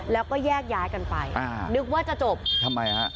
แล้วก็แยกย้ายกันไปอ่านึกว่าจะจบทำไมฮะ